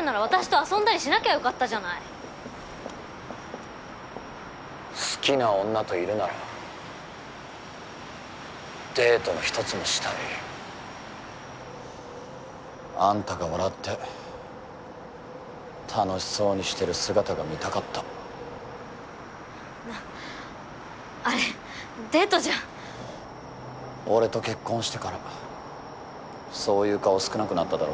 私と遊んだりしなきゃよかったじゃない好きな女といるならデートのひとつもしたいあんたが笑って楽しそうにしてる姿が見たかったなっあれデートじゃ俺と結婚してからそういう顔少なくなっただろ